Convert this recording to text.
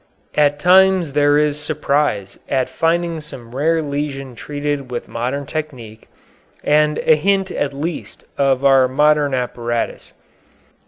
At times there is surprise at finding some rare lesion treated with modern technique, and a hint at least of our modern apparatus.